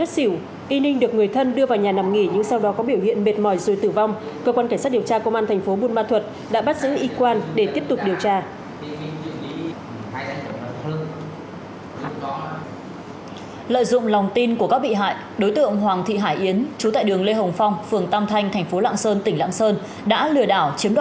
xin chào và hẹn gặp lại trong các bộ phim tiếp theo